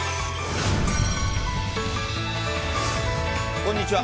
こんにちは。